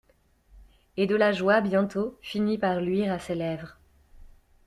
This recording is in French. Et de la joie bientôt finit par luire à ses lèvres.